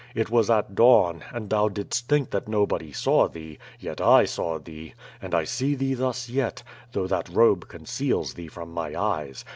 It was at dawn, and thou didst think that nobody saw thee, yet I saw thee, and I see thee thus yet, though that robe conceals thee from my eyes.